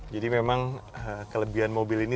jadi memang kelebihan mobil ini